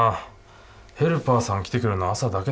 ヘルパーさん来てくれるの朝だけだしな。